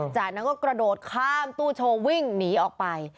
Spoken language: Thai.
จากนั้นก็กระโดดข้ามตู้โชว์วิ่งหนีออกไป